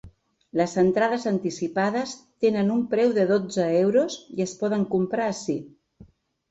Les entrades anticipades tenen un preu de dotze euros i es poden comprar ací.